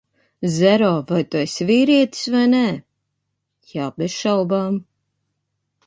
-Zero, vai tu esi vīrietis vai nē? -Jā, bez šaubām!